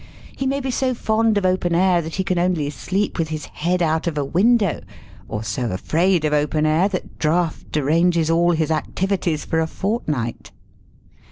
He may be so fond of open air that he can only sleep with his head out of a window, or so afraid of open air that a draught deranges all his activities for a fortnight.